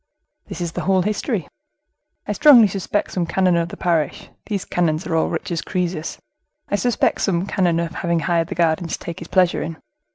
"This is the whole history. I strongly suspect some canon of the parish (these canons are all rich as Croesus)—I suspect some canon of having hired the garden to take his pleasure in.